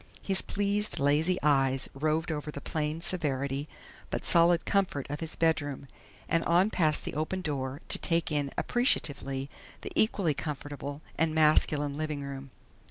His pleased, lazy eyes roved over the plain severity but solid comfort of his bedroom, and on past the open door to take in appreciatively the equally comfortable and masculine living room....